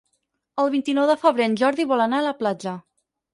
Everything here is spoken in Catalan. El vint-i-nou de febrer en Jordi vol anar a la platja.